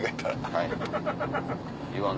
はい。